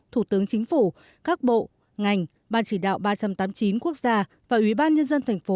thủ tướng chính phủ các bộ ngành ban chỉ đạo ba trăm tám mươi chín quốc gia và ủy ban nhân dân thành phố